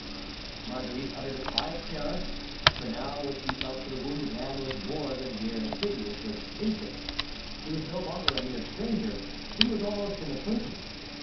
Marguerite uttered a cry of terror, for now what she felt for the wounded man was more than mere pity—it was interest. He was no longer a mere stranger: he was almost an acquaintance.